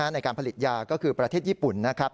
ในการผลิตยาก็คือประเทศญี่ปุ่นนะครับ